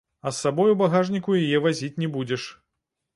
А з сабой у багажніку яе вазіць не будзеш.